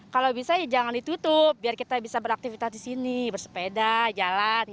kalau bisa ya jangan ditutup biar kita bisa beraktivitas di sini bersepeda jalan